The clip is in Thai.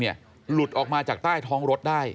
หลุดออกมาจากใต้ท้องรถได้